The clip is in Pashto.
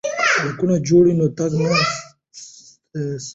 که سړکونه جوړ وي نو تګ نه ستیږي.